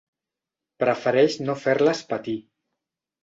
Prefereix no fer-les patir.